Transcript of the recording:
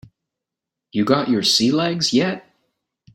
You got your sea legs yet?